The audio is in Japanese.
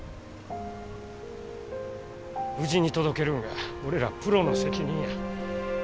無事に届けるんが俺らプロの責任や。